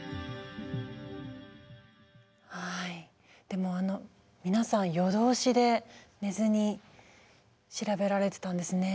でも皆さん夜通しで寝ずに調べられてたんですね。